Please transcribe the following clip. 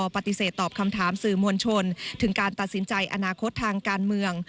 ปฏิเสธตอบคำถามสื่อมวลชนถึงการตัดสินใจอนาคตทางการเมือง